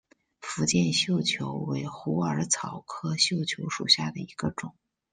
福建绣球为虎耳草科绣球属下的一个种。